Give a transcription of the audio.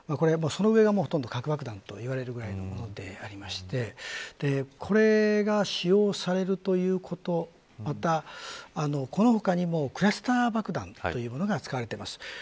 その上がほとんど核爆弾といわれるくらいのものでありましてこれが使用されるということまた、この他にもクラスター爆弾というものが使われています。